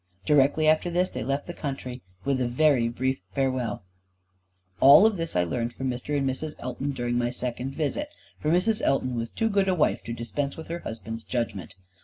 Directly after this they left the country, with a very brief farewell. All this I learned from Mr. and Mrs. Elton during my second visit, for Mrs. Elton was too good a wife to dispense with her husband's judgment.